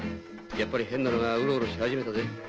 やっぱり変なのがウロウロし始めたぜ。